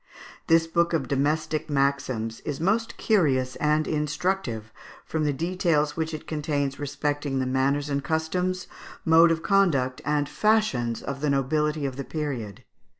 ] This book of domestic maxims is most curious and instructive, from the details which it contains respecting the manners and customs, mode of conduct, and fashions of the nobility of the period (Fig.